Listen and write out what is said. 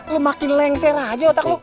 lu makin lengser aja otak lu